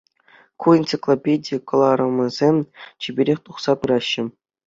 Ку энциклопеди кӑларӑмӗсем чиперех тухса пыраҫҫӗ.